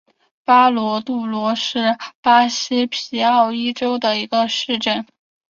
巴罗杜罗是巴西皮奥伊州的一个市镇。